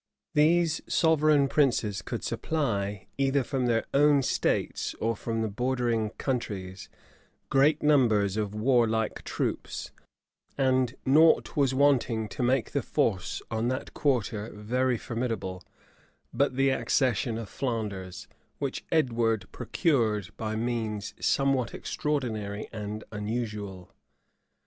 [] These sovereign princes could supply, either from their own states or from the bordering countries, great numbers of warlike troops; and nought was wanting to make the force on that quarter very formidable but the accession of Flanders; which Edward procured by means somewhat extraordinary and unusual.